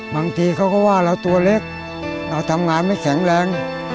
บางทีเขาก็ว่าเราตัวเล็กเราทำงานไม่แข็งแรง